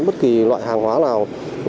bất kỳ loại hàng hóa nào